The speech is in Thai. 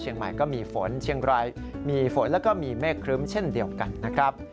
ใหม่ก็มีฝนเชียงรายมีฝนแล้วก็มีเมฆครึ้มเช่นเดียวกันนะครับ